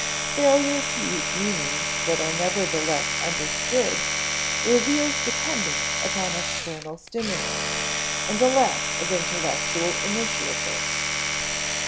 Failure to use meanings that are nevertheless understood reveals dependence upon external stimulus, and lack of intellectual initiative.